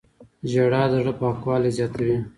• ژړا د زړه پاکوالی زیاتوي.